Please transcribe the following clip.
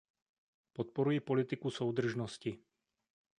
Podporuji politiku soudržnosti.